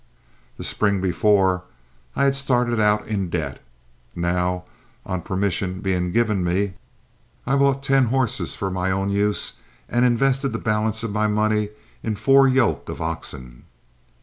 The spring before I had started out in debt; now, on permission being given me, I bought ten horses for my own use and invested the balance of my money in four yoke of oxen.